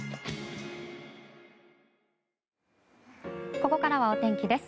ここからはお天気です。